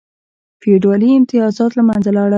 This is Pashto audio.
فیوډالي امتیازات له منځه لاړل.